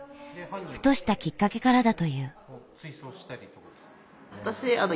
ふとしたきっかけからだという。